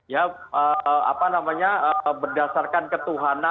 ya apa namanya berdasarkan ketuhanan